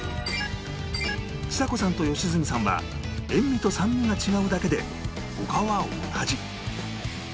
ちさ子さんと良純さんは塩味と酸味が違うだけで他は同じ